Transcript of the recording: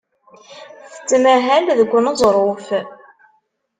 Tettmahal deg uneẓruf.